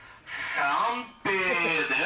三瓶です。